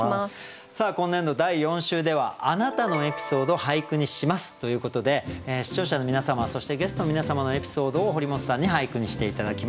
今年度第４週では「あなたのエピソード、俳句にします」ということで視聴者の皆様そしてゲストの皆様のエピソードを堀本さんに俳句にして頂きます。